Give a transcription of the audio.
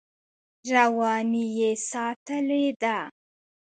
رواني یې ساتلې ده.